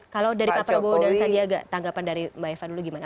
kalau dari pak prabowo dan sandiaga tanggapan dari mbak eva dulu gimana